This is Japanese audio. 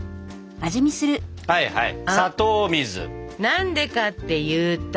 何でかっていうと。